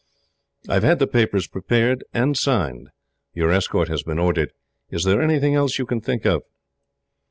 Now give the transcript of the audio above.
"I have had the papers prepared and signed. Your escort has been ordered. Is there anything else you can think of?"